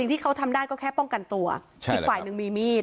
ที่เขาทำได้ก็แค่ป้องกันตัวอีกฝ่ายหนึ่งมีมีด